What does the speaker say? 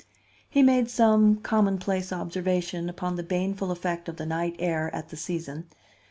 He made some commonplace observation upon the baneful effect of the night air at the season.